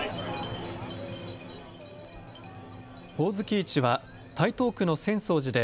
ほおずき市は台東区の浅草寺で